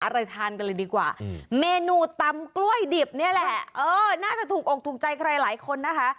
อะไรทานกันเลยดีกว่าเมนูตำกล้วยดิบนี่แหละเออน่าจะถูกอกถูกใจใครหลายคนนะคะ